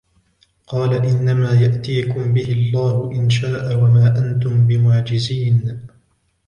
قَالَ إِنَّمَا يَأْتِيكُمْ بِهِ اللَّهُ إِنْ شَاءَ وَمَا أَنْتُمْ بِمُعْجِزِينَ